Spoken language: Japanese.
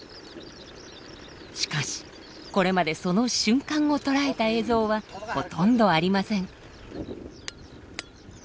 しかしこれまでその瞬間を捉えた映像はほとんどありません。